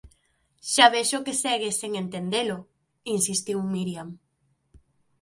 Xa vexo que segues sen entendelo −insistiu Miriam−.